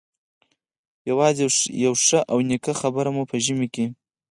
یوازې یوه ښه او نېکه خبره مو په ژمي کې.